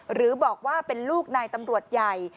หรือบอกว่าเป็นลูกนายตำรวจใหญ่